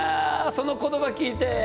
その言葉聞いて？